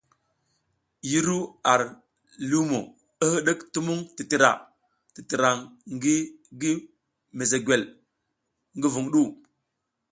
Yi ru ar limo, i hidik tumung titira titirang ngi gi mezegwel ngi zuŋ du.